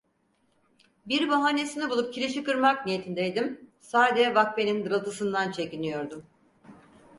Bir bahanesini bulup kirişi kırmak niyetindeydim, sade vakfenin dırıltısından çekiniyordum.